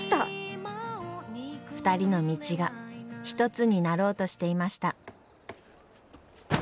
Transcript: ２人の道が一つになろうとしていました。